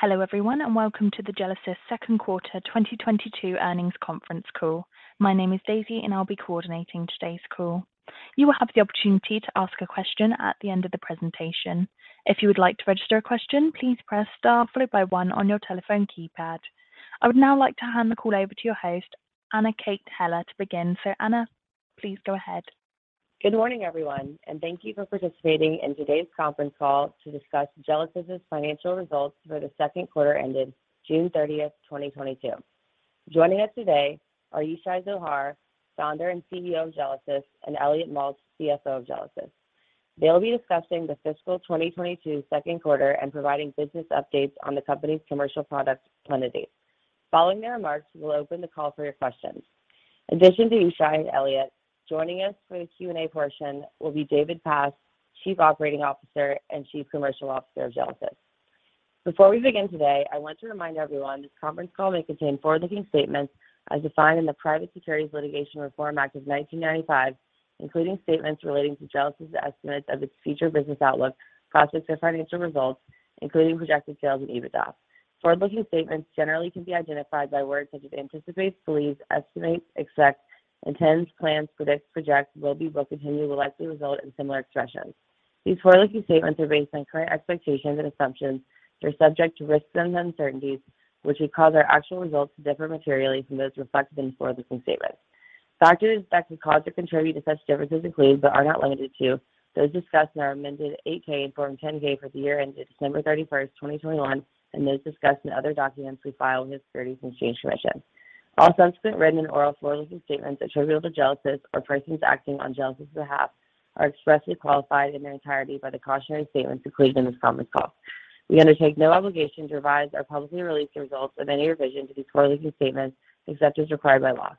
Hello everyone, and welcome to the Gelesis second quarter 2022 earnings conference call. My name is Daisy, and I'll be coordinating today's call. You will have the opportunity to ask a question at the end of the presentation. If you would like to register a question, please press Star followed by one on your telephone keypad. I would now like to hand the call over to your host, Anna Kate Heller, to begin. Anna, please go ahead. Good morning, everyone, and thank you for participating in today's conference call to discuss Gelesis' financial results for the second quarter ended June 30, 2022. Joining us today are Yishai Zohar, Founder and CEO of Gelesis, and Elliot Maltz, CFO of Gelesis. They'll be discussing the fiscal 2022 second quarter and providing business updates on the company's commercial product, Plenity. Following their remarks, we will open the call for your questions. In addition to Yishai and Elliot, joining us for the Q&A portion will be David Pass, Chief Operating Officer and Chief Commercial Officer of Gelesis. Before we begin today, I want to remind everyone this conference call may contain forward-looking statements as defined in the Private Securities Litigation Reform Act of 1995, including statements relating to Gelesis' estimates of its future business outlook, prospects, or financial results, including projected sales and EBITDA. Forward-looking statements generally can be identified by words such as anticipates, believes, estimates, expects, intends, plans, predicts, projects, will be, will continue, will likely result, and similar expressions. These forward-looking statements are based on current expectations and assumptions. They're subject to risks and uncertainties, which could cause our actual results to differ materially from those reflected in forward-looking statements. Factors that could cause or contribute to such differences include, but are not limited to, those discussed in our amended 8-K and Form 10-K for the year ended December 31, 2021, and those discussed in other documents we file with the Securities and Exchange Commission. All subsequent written and oral forward-looking statements attributable to Gelesis or persons acting on Gelesis' behalf are expressly qualified in their entirety by the cautionary statements included in this conference call. We undertake no obligation to revise or publicly release the results of any revision to these forward-looking statements except as required by law.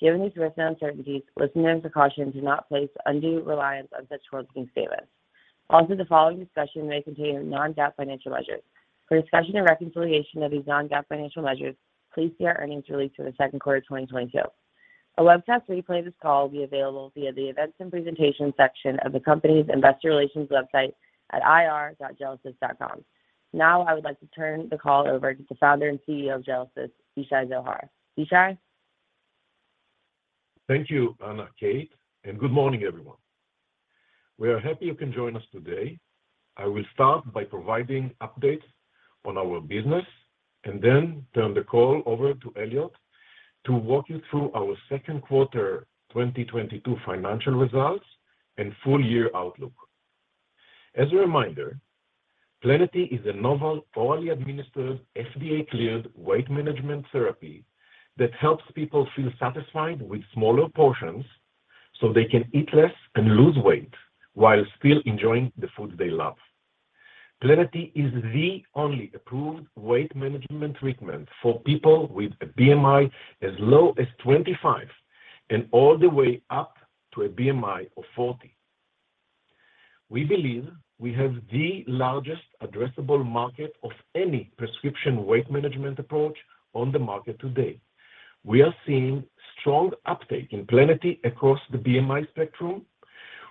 Given these risks and uncertainties, listen in with the caution to not place undue reliance on such forward-looking statements. Also, the following discussion may contain non-GAAP financial measures. For a discussion and reconciliation of these non-GAAP financial measures, please see our earnings release for the second quarter of 2022. A webcast replay of this call will be available via the Events and Presentations section of the company's investor relations website at ir.gelesis.com. Now, I would like to turn the call over to the founder and CEO of Gelesis, Yishai Zohar. Yishai? Thank you, Anna Kate, and good morning, everyone. We are happy you can join us today. I will start by providing updates on our business and then turn the call over to Elliot to walk you through our second quarter 2022 financial results and full year outlook. As a reminder, Plenity is a novel, orally administered, FDA-cleared weight management therapy that helps people feel satisfied with smaller portions so they can eat less and lose weight while still enjoying the food they love. Plenity is the only approved weight management treatment for people with a BMI as low as 25 and all the way up to a BMI of 40. We believe we have the largest addressable market of any prescription weight management approach on the market today. We are seeing strong uptake in Plenity across the BMI spectrum,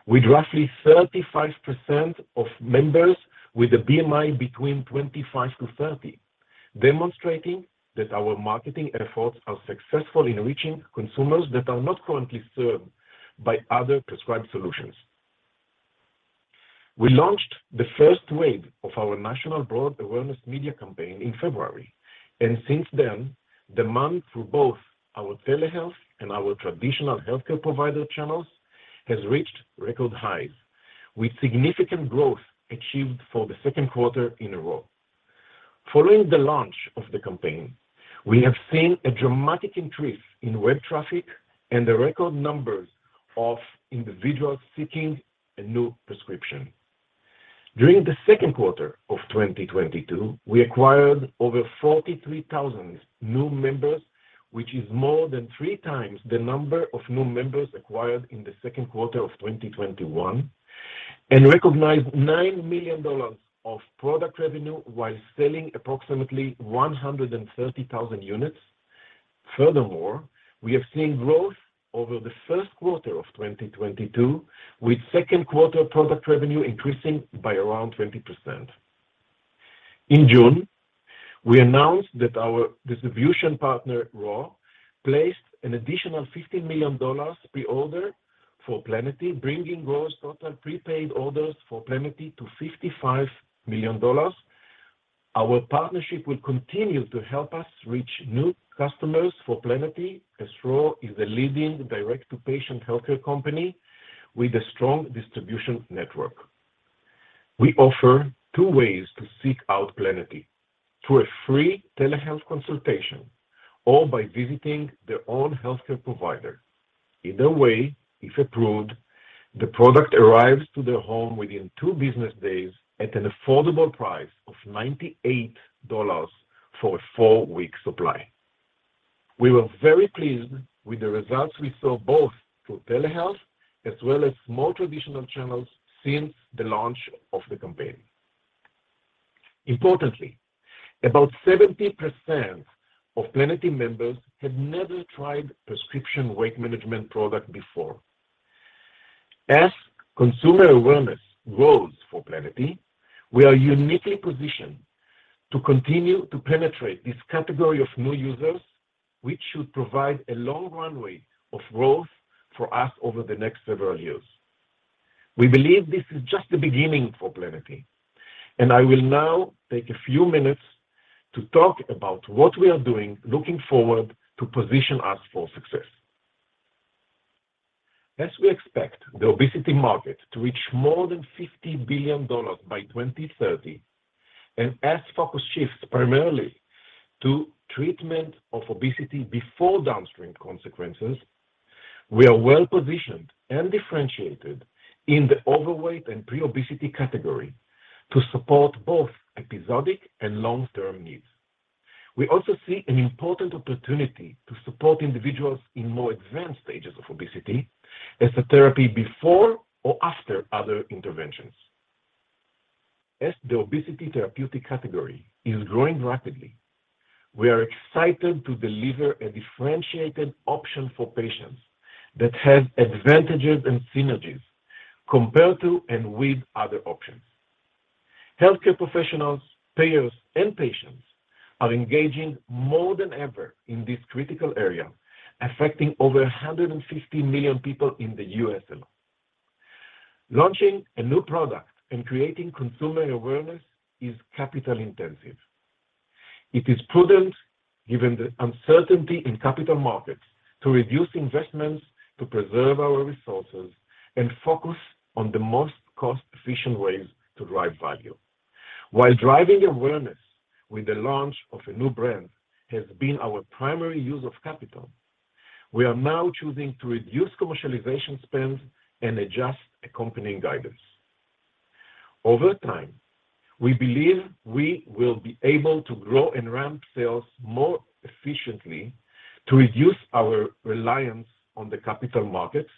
with roughly 35% of members with a BMI between 25-30, demonstrating that our marketing efforts are successful in reaching consumers that are not currently served by other prescribed solutions. We launched the first wave of our national broad awareness media campaign in February, and since then, demand through both our telehealth and our traditional healthcare provider channels has reached record highs, with significant growth achieved for the second quarter in a row. Following the launch of the campaign, we have seen a dramatic increase in web traffic and the record numbers of individuals seeking a new prescription. During the second quarter of 2022, we acquired over 43,000 new members, which is more than 3 times the number of new members acquired in the second quarter of 2021 and recognized $9 million of product revenue while selling approximately 130,000 units. Furthermore, we have seen growth over the first quarter of 2022, with second quarter product revenue increasing by around 20%. In June, we announced that our distribution partner, Ro, placed an additional $50 million pre-order for Plenity, bringing Ro's total prepaid orders for Plenity to $55 million. Our partnership will continue to help us reach new customers for Plenity as Ro is a leading direct-to-patient healthcare company with a strong distribution network. We offer two ways to seek out Plenity, through a free telehealth consultation or by visiting their own healthcare provider. Either way, if approved, the product arrives to their home within two business days at an affordable price of $98 for a four-week supply. We were very pleased with the results we saw both through telehealth as well as more traditional channels since the launch of the campaign. Importantly, about 70% of Plenity members had never tried prescription weight management product before. As consumer awareness grows for Plenity, we are uniquely positioned to continue to penetrate this category of new users, which should provide a long runway of growth for us over the next several years. We believe this is just the beginning for Plenity, and I will now take a few minutes to talk about what we are doing looking forward to position us for success. As we expect the obesity market to reach more than $50 billion by 2030 and as focus shifts primarily to treatment of obesity before downstream consequences, we are well-positioned and differentiated in the overweight and pre-obesity category to support both episodic and long-term needs. We also see an important opportunity to support individuals in more advanced stages of obesity as a therapy before or after other interventions. As the obesity therapeutic category is growing rapidly, we are excited to deliver a differentiated option for patients that has advantages and synergies compared to and with other options. Healthcare professionals, payers, and patients are engaging more than ever in this critical area, affecting over 150 million people in the US alone. Launching a new product and creating consumer awareness is capital intensive. It is prudent, given the uncertainty in capital markets, to reduce investments to preserve our resources and focus on the most cost-efficient ways to drive value. While driving awareness with the launch of a new brand has been our primary use of capital, we are now choosing to reduce commercialization spends and adjust accompanying guidance. Over time, we believe we will be able to grow and ramp sales more efficiently to reduce our reliance on the capital markets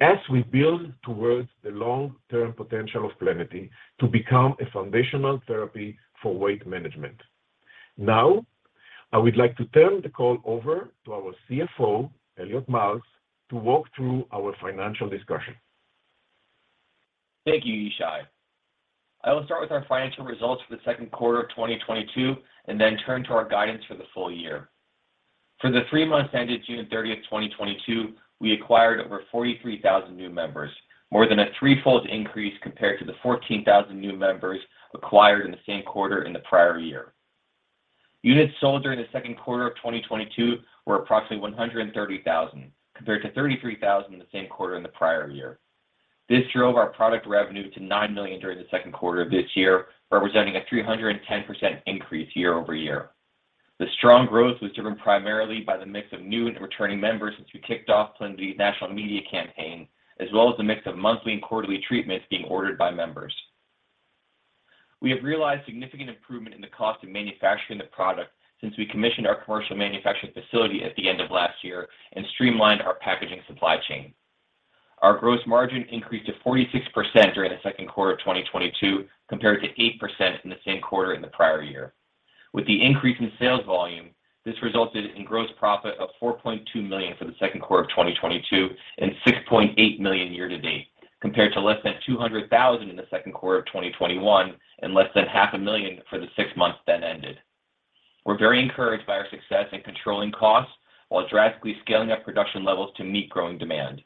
as we build towards the long-term potential of Plenity to become a foundational therapy for weight management. Now, I would like to turn the call over to our CFO, Elliot Maltz, to walk through our financial discussion. Thank you, Yishai. I will start with our financial results for the second quarter of 2022 and then turn to our guidance for the full year. For the three months ended June 30, 2022, we acquired over 43,000 new members, more than a threefold increase compared to the 14,000 new members acquired in the same quarter in the prior year. Units sold during the second quarter of 2022 were approximately 130,000, compared to 33,000 in the same quarter in the prior year. This drove our product revenue to $9 million during the second quarter of this year, representing a 310% increase year-over-year. The strong growth was driven primarily by the mix of new and returning members since we kicked off Plenity's national media campaign, as well as the mix of monthly and quarterly treatments being ordered by members. We have realized significant improvement in the cost of manufacturing the product since we commissioned our commercial manufacturing facility at the end of last year and streamlined our packaging supply chain. Our gross margin increased to 46% during the second quarter of 2022, compared to 8% in the same quarter in the prior year. With the increase in sales volume, this resulted in gross profit of $4.2 million for the second quarter of 2022 and $6.8 million year to date, compared to less than $200,000 in the second quarter of 2021 and less than half a million for the six months then ended. We're very encouraged by our success in controlling costs while drastically scaling up production levels to meet growing demand.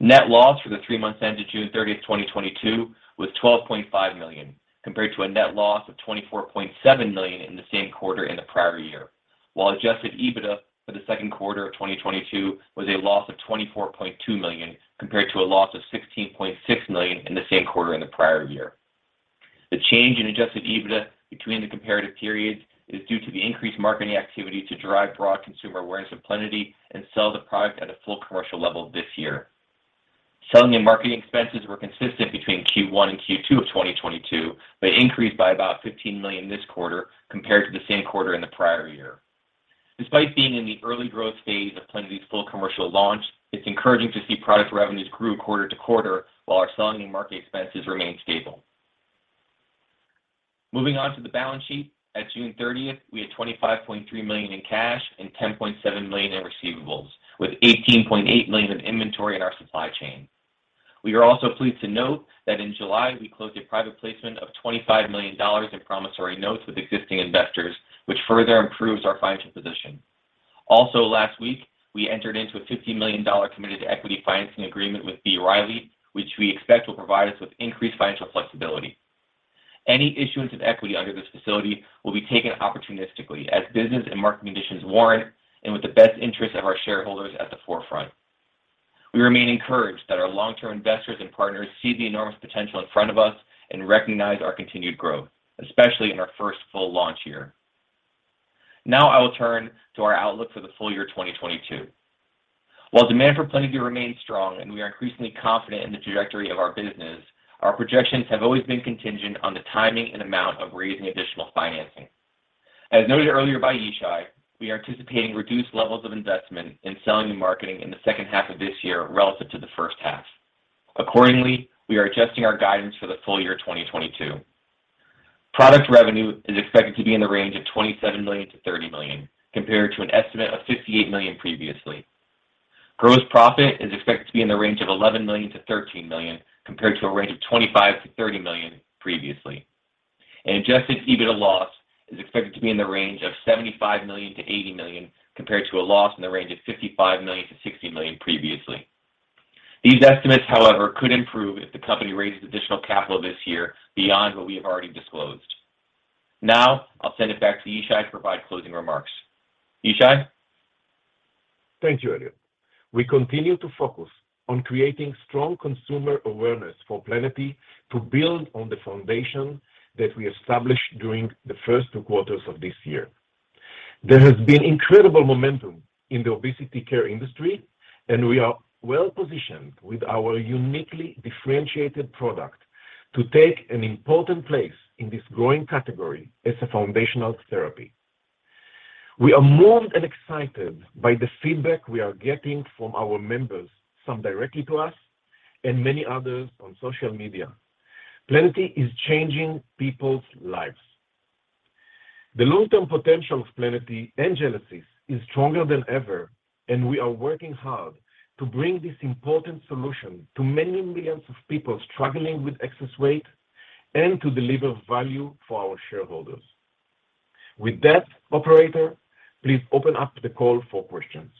Net loss for the three months ended June 30, 2022 was $12.5 million, compared to a net loss of $24.7 million in the same quarter in the prior year. While adjusted EBITDA for the second quarter of 2022 was a loss of $24.2 million, compared to a loss of $16.6 million in the same quarter in the prior year. The change in adjusted EBITDA between the comparative periods is due to the increased marketing activity to drive broad consumer awareness of Plenity and sell the product at a full commercial level this year. Selling and marketing expenses were consistent between Q1 and Q2 of 2022, but increased by about $15 million this quarter compared to the same quarter in the prior year. Despite being in the early growth stage of Plenity's full commercial launch, it's encouraging to see product revenues grew quarter to quarter while our selling and marketing expenses remained stable. Moving on to the balance sheet, at June thirtieth, we had $25.3 million in cash and $10.7 million in receivables, with $18.8 million of inventory in our supply chain. We are also pleased to note that in July, we closed a private placement of $25 million in promissory notes with existing investors, which further improves our financial position. Also last week, we entered into a $50 million committed equity financing agreement with B. Riley. Riley, which we expect will provide us with increased financial flexibility. Any issuance of equity under this facility will be taken opportunistically as business and market conditions warrant and with the best interest of our shareholders at the forefront. We remain encouraged that our long-term investors and partners see the enormous potential in front of us and recognize our continued growth, especially in our first full launch year. Now I will turn to our outlook for the full year 2022. While demand for Plenity remains strong and we are increasingly confident in the trajectory of our business, our projections have always been contingent on the timing and amount of raising additional financing. As noted earlier by Yishai, we are anticipating reduced levels of investment in selling and marketing in the second half of this year relative to the first half. Accordingly, we are adjusting our guidance for the full year 2022. Product revenue is expected to be in the range of $27 million-$30 million, compared to an estimate of $58 million previously. Gross profit is expected to be in the range of $11 million-$13 million, compared to a range of $25 million-$30 million previously. Adjusted EBITDA loss is expected to be in the range of $75 million-$80 million, compared to a loss in the range of $55 million-$60 million previously. These estimates, however, could improve if the company raises additional capital this year beyond what we have already disclosed. Now I'll send it back to Yishai to provide closing remarks. Yishai? Thank you, Elliot. We continue to focus on creating strong consumer awareness for Plenity to build on the foundation that we established during the first two quarters of this year. There has been incredible momentum in the obesity care industry, and we are well-positioned with our uniquely differentiated product to take an important place in this growing category as a foundational therapy. We are moved and excited by the feedback we are getting from our members, some directly to us and many others on social media. Plenity is changing people's lives. The long-term potential of Plenity and Gelesis is stronger than ever, and we are working hard to bring this important solution to many millions of people struggling with excess weight and to deliver value for our shareholders. With that, operator, please open up the call for questions.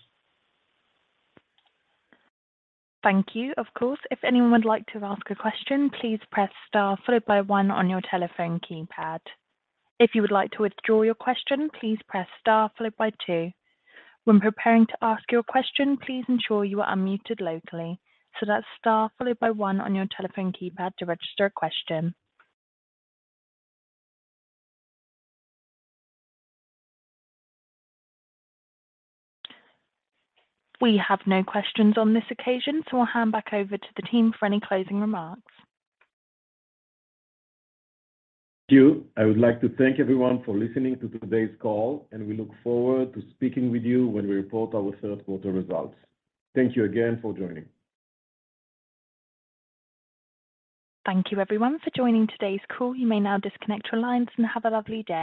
Thank you. Of course, if anyone would like to ask a question, please press star followed by one on your telephone keypad. If you would like to withdraw your question, please press star followed by two. When preparing to ask your question, please ensure you are unmuted locally. That's star followed by one on your telephone keypad to register a question. We have no questions on this occasion, so I'll hand back over to the team for any closing remarks. Thank you. I would like to thank everyone for listening to today's call, and we look forward to speaking with you when we report our third quarter results. Thank you again for joining. Thank you, everyone, for joining today's call. You may now disconnect your lines and have a lovely day.